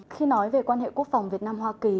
khi nói về quan hệ quốc phòng việt nam hoa kỳ